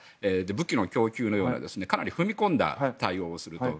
武器の供給のようなかなり踏み込んだ対応をしていると。